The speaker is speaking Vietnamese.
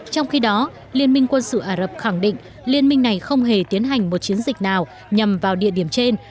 trong khi đó liên minh quân sự ả rập khẳng định liên minh này không hề tiến hành một chiến dịch nào nhằm vào địa điểm trên